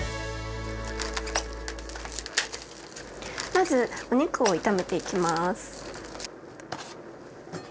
まずお肉を炒めていきます。